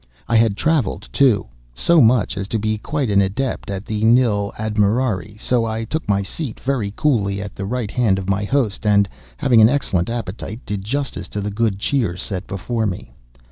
I had travelled, too, so much, as to be quite an adept at the nil admirari; so I took my seat very coolly at the right hand of my host, and, having an excellent appetite, did justice to the good cheer set before me.